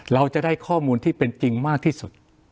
เราจะได้ข้อมูลที่เป็นจริงมากที่สุด